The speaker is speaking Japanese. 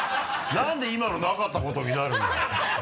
何で今のなかったことになるんだよ。